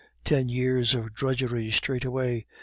Ten years of drudgery straight away.